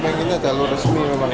inginnya jalur resmi memang